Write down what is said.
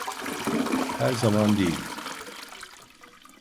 Her zaman değil.